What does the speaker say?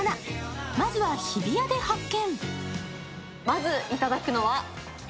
まずは日比谷で発見。